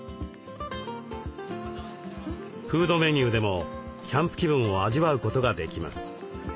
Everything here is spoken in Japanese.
フードメニューでもキャンプ気分を味わうことができます。